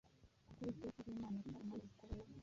kuko Uwiteka ari Imana ica imanza zitabera.